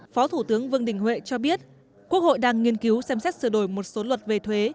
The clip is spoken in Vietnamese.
phó thủ tướng vương đình huệ cho biết quốc hội đang nghiên cứu xem xét sửa đổi một số luật về thuế